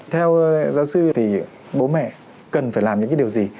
theo giáo sư thì bố mẹ cần phải làm những cái điều gì